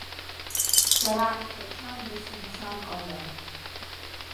Сара Шәачанӡа сымцар ҟалом.